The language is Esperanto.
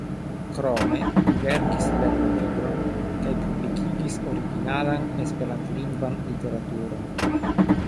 Krome, li verkis lernolibron kaj publikigis originalan esperantlingvan literaturon.